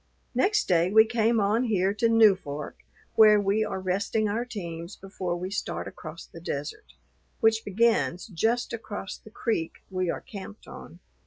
Next day we came on here to Newfork, where we are resting our teams before we start across the desert, which begins just across the creek we are camped on.